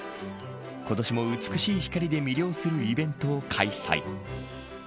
今年も美しい光で魅了するイベントを開催。